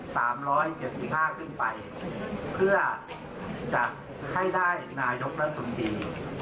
สามร้อยเจ็ดสิบห้าขึ้นไปเพื่อจะให้ได้นายกรัฐมนตรี